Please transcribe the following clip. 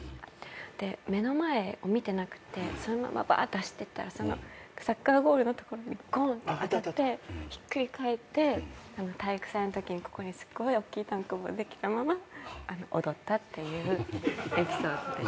で目の前を見てなくてそのままばって走ってったらサッカーゴールの所にゴンって当たってひっくり返って体育祭のときにここにすっごいおっきいたんこぶできたまま踊ったっていうエピソードです。